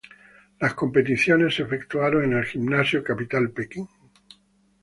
Las competiciones se efectuaron en el Gimnasio Capital Pekín.